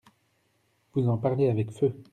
Vous en parlez avec feu.